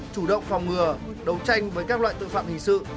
chủ động phòng ngừa đấu tranh với các loại tội phạm hình sự